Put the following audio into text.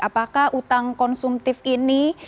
apakah utang konsumtif ini